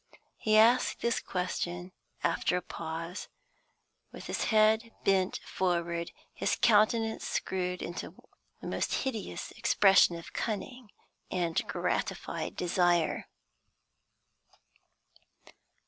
He asked this question after a pause, with his head bent forward, his countenance screwed into the most hideous expression of cunning and gratified desire.